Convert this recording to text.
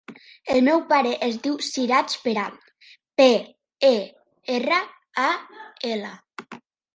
El meu pare es diu Siraj Peral: pe, e, erra, a, ela.